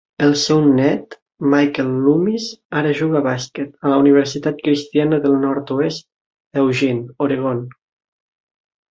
El seu net Michael Loomis ara juga a bàsquet a la Universitat Cristiana del Nord-oest, a Eugene, Oregon.